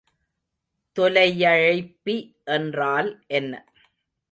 தொலையழைப்பி என்றால் என்ன?